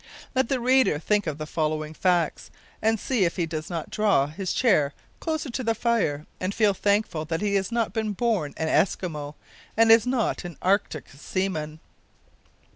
Let the reader think of the following facts, and see if he does not draw his chair closer to the fire and feel thankful that he has not been born an Eskimo, and is not an Arctic seaman!